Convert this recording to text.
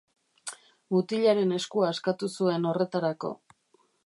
Mutilaren eskua askatu zuen horretarako.